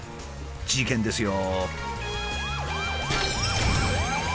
事件ですよ。